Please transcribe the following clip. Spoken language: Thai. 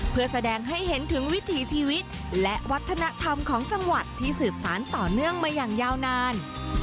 เพื่อแสดงให้เห็นถึงวิถีชีวิตและวัฒนธรรมของจังหวัดที่สืบสารต่อเนื่องมาอย่างยาวนาน